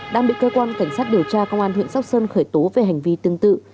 đang bị cơ quan cảnh sát điều tra công an huyện sóc sơn khởi tố về hành vi tương tự